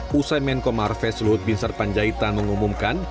pusai menko marves luhut bin serpanjaitan mengumumkan